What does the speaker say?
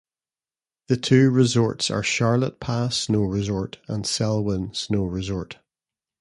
The two resorts are Charlotte Pass Snow Resort and Selwyn Snow Resort.